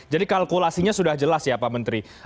jadi kalkulasinya sudah jelas ya pak menteri